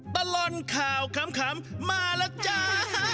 ตลอดข่าวขำมาแล้วจ้า